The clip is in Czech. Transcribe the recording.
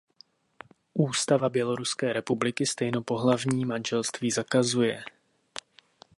Ústava Běloruské republiky stejnopohlavní manželství zakazuje.